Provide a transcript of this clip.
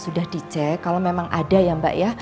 sudah dicek kalau memang ada ya mbak ya